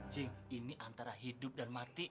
jih ini antara hidup dan mati